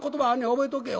覚えとけよ？